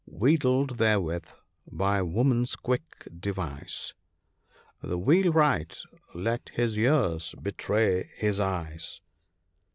Wheedled therewith, by woman's quick device, The Wheelwright let his ears betray his eyes."